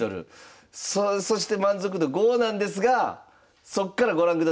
そして満足度５なんですがそっからご覧ください。